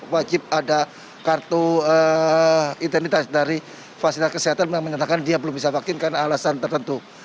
wajib ada kartu identitas dari fasilitas kesehatan yang menyatakan dia belum bisa vaksin karena alasan tertentu